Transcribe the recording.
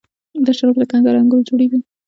دا شراب له کنګل انګورو جوړیږي.